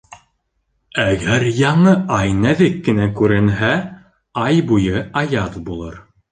Әгәр яңы ай нәҙек кенә күренһә, ай буйы аяҙ булыр.